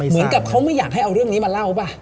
เหมือนกับเขาไม่อยากให้เอาเรื่องนี้มาเล่าป่ะ